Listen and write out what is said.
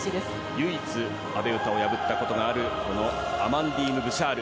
唯一、阿部詩を破ったことがあるアマンディーヌ・ブシャール。